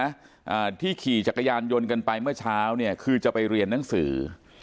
อ่าที่ขี่จักรยานยนต์กันไปเมื่อเช้าเนี่ยคือจะไปเรียนหนังสือ